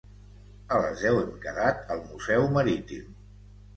A les deu hem quedat al Museu Marítim.